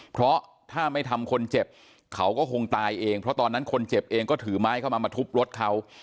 เพราะถ้าไม่ทำคนเจ็บเขาก็คงตายเองเพราะตอนนั้นคนเจ็บเองก็ถือไม้เข้ามามาทุบรถเขา